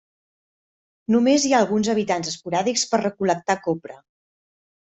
Només hi ha alguns habitants esporàdics per recol·lectar copra.